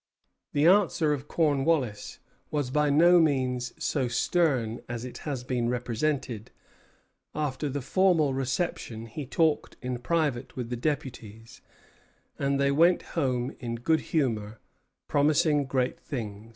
The answer of Cornwallis was by no means so stern as it has been represented. After the formal reception he talked in private with the deputies; and "they went home in good humor, promising great things."